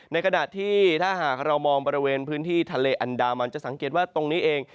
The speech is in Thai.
ขณะที่ถ้าหากเรามองบริเวณพื้นที่ทะเลอันดามันจะสังเกตว่าตรงนี้เอง